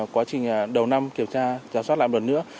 quá trình đầu năm kiểm tra giáo soát lại một lần nữa